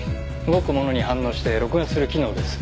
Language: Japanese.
動くものに反応して録画する機能です。